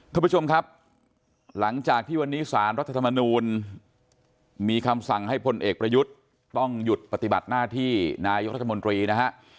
คุณผู้ชมครับหลังจากที่วันนี้สารรัฐธรรมนูลมีคำสั่งให้พลเอกประยุทธ์ต้องหยุดปฏิบัติหน้าที่นายกรัฐมนตรีนะฮะ